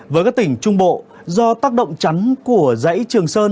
với các tỉnh trung bộ do tác động chắn của dãy trường sơn